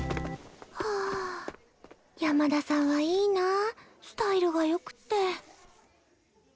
はあ山田さんはいいなあスタイルが良くって。